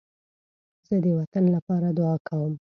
زه د وطن لپاره دعا کوم